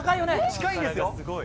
近いんですよ。